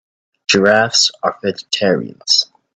Giraffes are vegetarians.